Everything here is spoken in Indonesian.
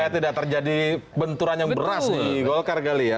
supaya tidak terjadi benturan yang beras di golkar kali ya